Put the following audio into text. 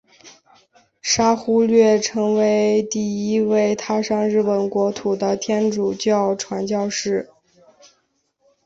沙勿略成为第一位踏上日本国土的天主教传教士。